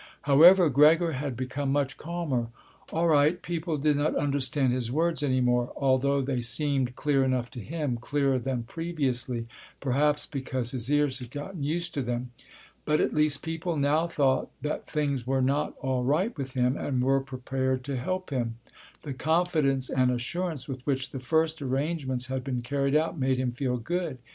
However, Gregor had become much calmer. All right, people did not understand his words any more, although they seemed clear enough to him, clearer than previously, perhaps because his ears had gotten used to them. But at least people now thought that things were not all right with him and were prepared to help him. The confidence and assurance with which the first arrangements had been carried out made him feel good.